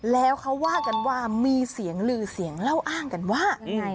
แล้วเขาว่ากันว่ามีเสียงลือเสียงเล่าอ้างกันว่า